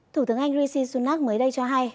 thủ tướng anh rishi sunak mới đây cho hay